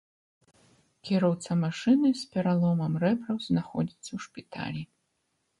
Кіроўца машыны з пераломам рэбраў знаходзіцца ў шпіталі.